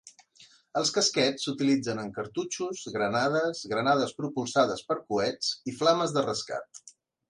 Els casquets s'utilitzen en cartutxos, granades, granades propulsades per coets i flames de rescat.